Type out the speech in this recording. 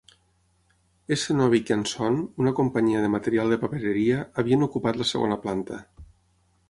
S. Novick and Son, una companyia de material de papereria, havien ocupat la segona planta.